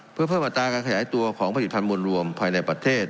เพื่อเพิ่มอัตราการขยายตัวของผลิตภัณฑ์มวลรวมภายในประเทศ